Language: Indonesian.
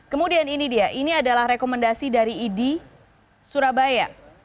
kemudian ini dia ini adalah rekomendasi dari idi surabaya